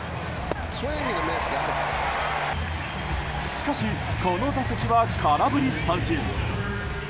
しかし、この打席は空振り三振。